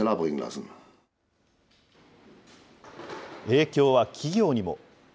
影響は企業にも。